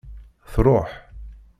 Truḥ.